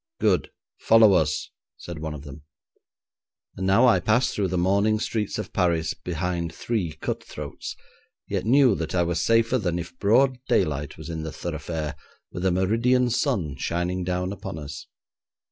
'Good! Follow us,' said one of them; and now I passed through the morning streets of Paris behind three cut throats, yet knew that I was safer than if broad daylight was in the thoroughfare, with a meridian sun shining down upon us.